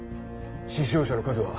死傷者の数は？